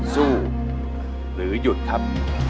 สู้หรือหยุดครับ